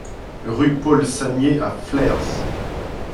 Rue Paul Saniez à Flers